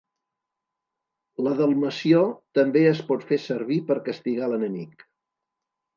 La delmació també es pot fer servir per castigar l'enemic.